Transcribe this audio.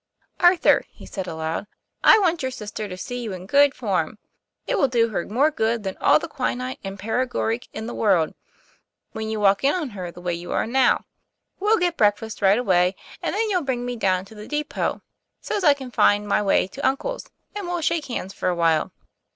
;< Arthur," he added aloud, "I want your sister to see you in good form. It will do her more good than all the quinine and paregoric in the world, when you walk in on her the way you are now. We'll get breakfast right away, and then you'll bring me down to the depot, so's I can find my way to uncle's, and we'll shake hands for a while.